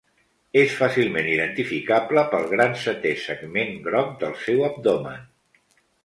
És fàcilment identificable pel gran setè segment groc del seu abdomen.